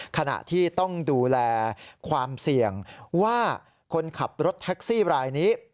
ขณะที่ต้องดูแลความเสี่ยงว่าคนขับรถแท็กซี่รายนี้